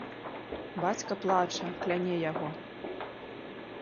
Бацька плача, кляне яго.